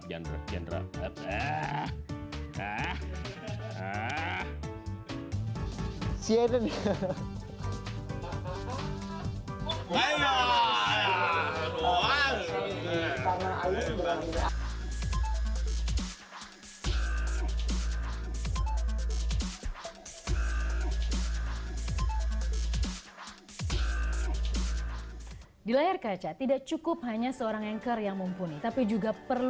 yang berada di tengah tengah dna